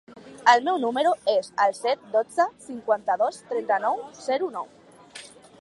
El meu número es el set, dotze, cinquanta-dos, trenta-nou, zero, nou.